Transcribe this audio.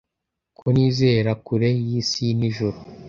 ko nizera kure yisi n’ijuru